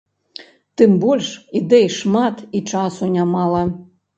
Тым больш, ідэй шмат, і часу нямала.